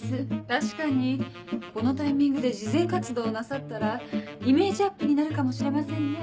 確かにこのタイミングで慈善活動をなさったらイメージアップになるかもしれませんね